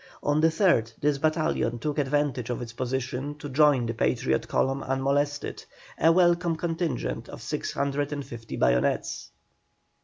On the 3rd this battalion took advantage of its position to join the Patriot column unmolested, a welcome contingent of 650 bayonets.